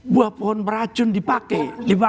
buah pohon beracun dipakai